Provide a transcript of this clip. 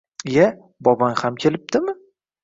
Iya, bobong ham kelibdimi